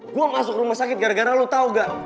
gue masuk rumah sakit gara gara lo tau gak